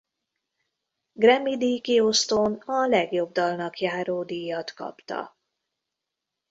Grammy díjkiosztón a legjobb dalnak járó díjat kapta.